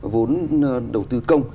vốn đầu tư công